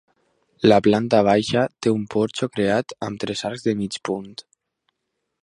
La planta baixa té un porxo creat amb tres arcs de mig punt.